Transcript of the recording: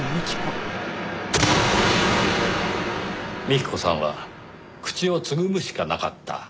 幹子さんは口をつぐむしかなかった。